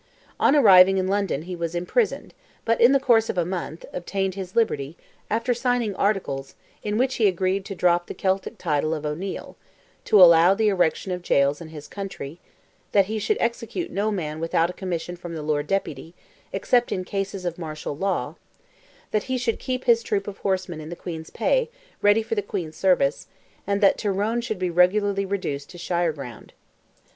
On arriving in London he was imprisoned, but, in the course of a month, obtained his liberty, after signing articles, in which he agreed to drop the Celtic title of O'Neil; to allow the erection of gaols in his country; that he should execute no man without a commission from the Lord Deputy, except in cases of martial law; that he should keep his troop of horsemen in the Queen's pay, ready for the Queen's service, and that Tyrone should be regularly reduced to shire ground.